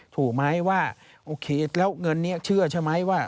ถูกไหมว่าโอเคแล้วเงินนี้เชื่อใช่ไหมว่า